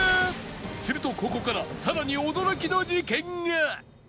するとここからさらに驚きの事件が